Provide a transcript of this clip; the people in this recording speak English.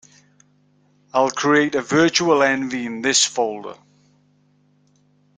I'll create a virtualenv in this folder.